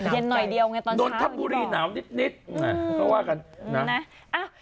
เย็นหน่อยเดียวไงตอนเช้าหนาวนิดอืมเขาว่ากันนะอ่ะ